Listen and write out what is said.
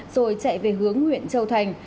rồi chạy về hướng nguyễn châu thành